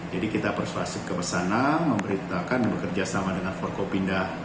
jadi kita persuasif ke sana memberitakan bekerja sama dengan forkopinda